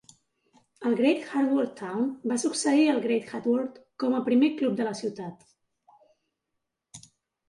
El Great Harwood Town va succeir el Great Harwood com a primer club de la ciutat.